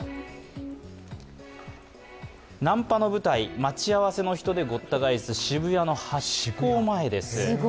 ナンパの舞台、待ち合わせの人でごった返す渋谷のハチ公前です。